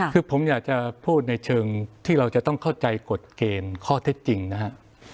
คือผมอยากจะพูดในเชิงที่เราจะต้องเข้าใจกฎเกณฑ์ข้อเท็จจริงนะครับ